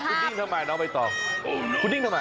คุณดิ้งทำไมน้องใบตองคุณดิ้งทำไม